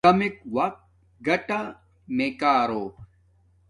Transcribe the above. کمک وقت گاٹتا میے کارو